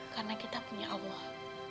karena kita punya allah